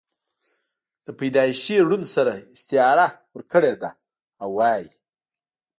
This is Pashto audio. دَپيدائشي ړوند سره استعاره ورکړې ده او وائي: